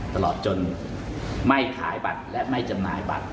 ตลอดจนไม่ขายบัตรและไม่จำหน่ายบัตร